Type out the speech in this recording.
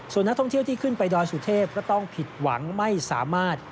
ส่วนนักท่องเที่ยวที่ขึ้นไปดอยสุเทพก็ต้องผิดหวังไม่สามารถ